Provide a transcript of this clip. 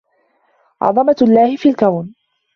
عظمة الله في الكون